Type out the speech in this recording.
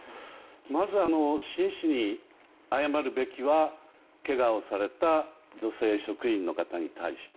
まず、真摯に謝るべきはけがをされた女性職員の方に対して。